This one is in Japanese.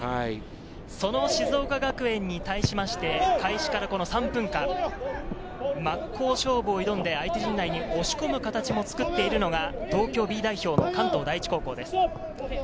その静岡学園に対しまして開始から３分間、真っ向勝負を挑んで、相手陣内に押し込む形も作っているのが東京Ｂ代表の関東第一高校です。